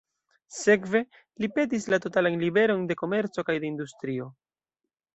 Sekve, li petis la totalan liberon de komerco kaj de industrio.